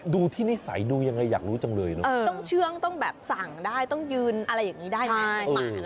ดูที่นิสัยดูยังไงอยากรู้จังเลยเนอะต้องเชื่องต้องแบบสั่งได้ต้องยืนอะไรอย่างนี้ได้ไหม